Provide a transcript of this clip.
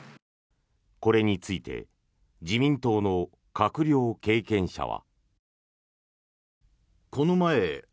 これについて自民党の閣僚経験者は。